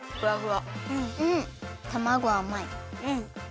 たまごあまい。